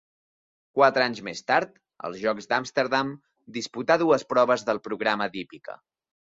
Quatre anys més tard, als Jocs d'Amsterdam, disputà dues proves del programa d'hípica.